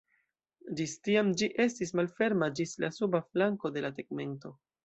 Ĝis tiam ĝi estis malferma ĝis la suba flanko de la tegmento.